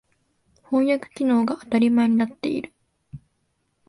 翻訳機能が当たり前になっている。